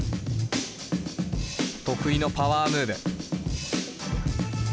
得意のパワームーブ。